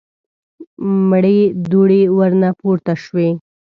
مړې دوړې ورنه پورته شوې.